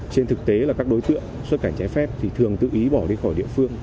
trên thực tế là các đối tượng xuất cảnh trái phép thì thường tự ý bỏ đi khỏi địa phương